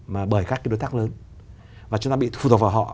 mà bởi các cái đối tác lớn và chúng ta bị phụ thuộc vào họ